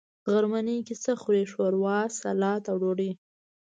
غرمنۍ کی څه خورئ؟ ښوروا، ، سلاډ او ډوډۍ